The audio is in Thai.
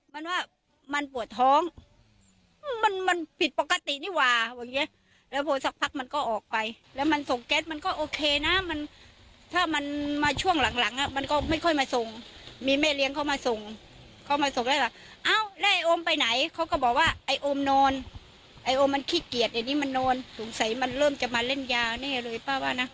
มันว่ามันปวดท้องมันมันผิดปกตินี่หว่าเขาบอกอย่างเงี้ยแล้วพอสักพักมันก็ออกไปแล้วมันส่งแก๊สมันก็โอเคนะมันถ้ามันมาช่วงหลังหลังอ่ะมันก็ไม่ค่อยมาส่งมีแม่เลี้ยงเขามาส่งเขามาส่งแล้วว่าเอ้าแล้วไอ้โอมไปไหนเขาก็บอกว่าไอ้โอมนอนไอ้โอมมันขี้เกียจไอ้นี่มันนอนสงสัยมันเริ่มจะมาเล่นยาแน่เลยป้าว่านะ